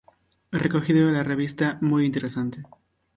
Recogido de la revista Muy Interesante.